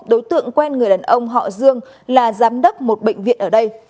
đối tượng quen người đàn ông họ dương là giám đốc một bệnh viện ở đây